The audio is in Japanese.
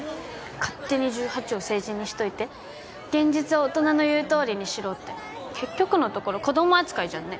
勝手に１８を成人にしといて現実は大人の言うとおりにしろって結局のところ子供扱いじゃんね